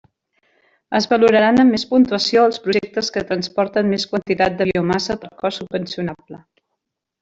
Es valoraran amb més puntuació els projectes que transporten més quantitat de biomassa per cost subvencionable.